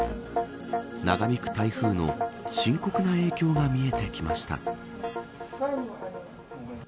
長引く台風の深刻な影響が見えてきました。